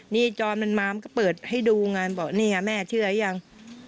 นี่จรมันมามันก็เปิดให้ดูไงบอกนี่ไงแม่เชื่อยัง